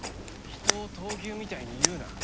人を闘牛みたいに言うな。